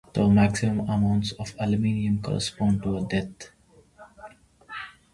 The maximum amounts of aluminium correspond to a depth.